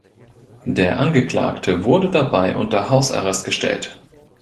Der Angeklagte wurde dabei unter Hausarrest gestellt.